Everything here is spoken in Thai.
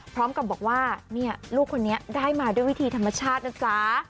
พร้อมกับบอกว่าลูกคนนี้ได้มาด้วยวิธีธรรมชาตินะจ๊ะ